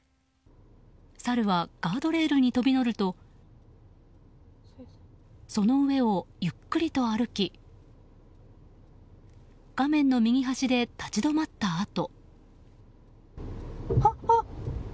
サルはガードレールに飛び乗るとその上をゆっくりと歩き画面の右端で立ち止まったあと。